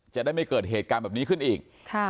จะได้ไม่เกิดเหตุการณ์แบบนี้ขึ้นอีก